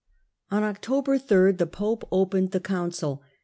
On October 8 the pope opened the council.